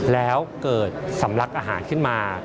แล้วเกิดสำลักอาหารขึ้นมา